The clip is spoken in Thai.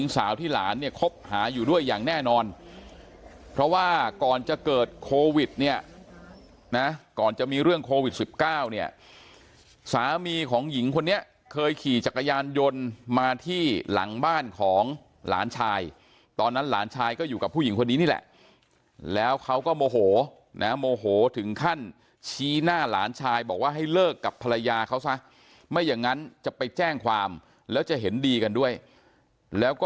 สาวที่หลานเนี่ยคบหาอยู่ด้วยอย่างแน่นอนเพราะว่าก่อนจะเกิดโควิดเนี่ยนะก่อนจะมีเรื่องโควิด๑๙เนี่ยสามีของหญิงคนนี้เคยขี่จักรยานยนต์มาที่หลังบ้านของหลานชายตอนนั้นหลานชายก็อยู่กับผู้หญิงคนนี้นี่แหละแล้วเขาก็โมโหนะโมโหถึงขั้นชี้หน้าหลานชายบอกว่าให้เลิกกับภรรยาเขาซะไม่อย่างนั้นจะไปแจ้งความแล้วจะเห็นดีกันด้วยแล้วก็